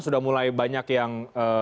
sudah mulai banyak yang